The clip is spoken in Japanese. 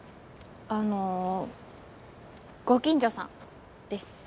あのご近所さんです。